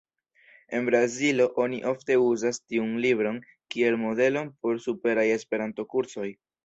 En Brazilo oni ofte uzas tiun libron kiel modelon por superaj Esperanto-kursoj.